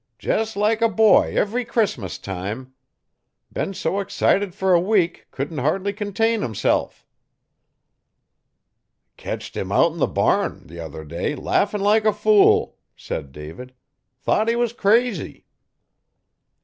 'Jes' like a boy ev'ry Crissmus time. Been so excited fer a week couldn't hardly contain himself.' 'Ketched him out 'n the barn t'other day laffin' like a fool,' said David. 'Thought he was crazy.'